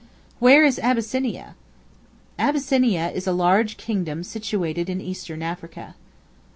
Where is Abyssinia? Abyssinia is a large kingdom situated in Eastern Africa.